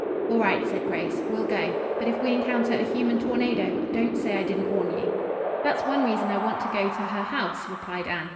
"All right," said Grace, "we'll go, but if we encounter a human tornado don't say I didn't warn you." "That's one reason I want to go to her house," replied Anne.